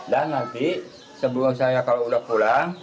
dan nanti sebelum saya kalau sudah pulang